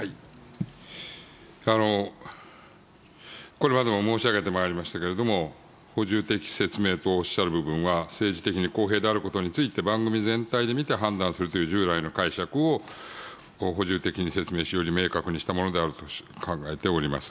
これまでも申し上げてまいりましたけれども、補充的説明とおっしゃる部分は、政治的に公平であることについて、番組全体で見て判断するという従来の解釈を補充的に説明し、より明確にしたものであると考えております。